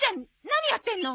何やってんの？